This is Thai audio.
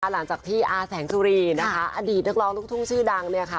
หลังจากที่อาแสงสุรีนะคะอดีตนักร้องลูกทุ่งชื่อดังเนี่ยค่ะ